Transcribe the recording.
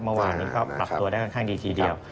เมื่อวานนี้ก็ปรับตัวได้ค่อนข้างดีทีเดียว